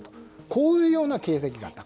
こういうような形跡があった。